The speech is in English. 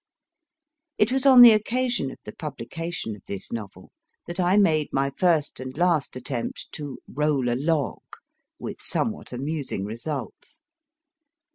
It was on the occasion of the publication of this novel that I made my first and last attempt to roll a log, with somewhat amusing results.